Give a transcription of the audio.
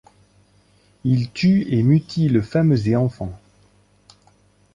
Ils tuent et mutilent femmes et enfants.